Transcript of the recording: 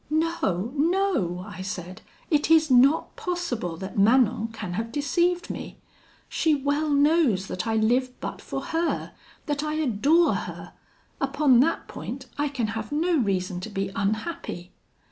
'No, no!' I said, 'it is not possible that Manon can have deceived me. She well knows that I live but for her; that I adore her: upon that point I can have no reason to be unhappy.'